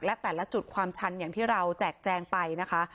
และแต่ละจุดความชันอย่างที่เราแจกแจงไปนะคะ